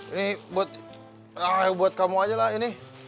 ini buat kamu aja lah ini